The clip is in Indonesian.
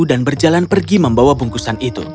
dan berjalan pergi membawa bungkusan itu